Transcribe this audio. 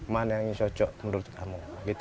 mana yang cocok menurut kamu